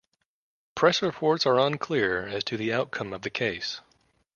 Press reports are unclear as to the outcome of the case.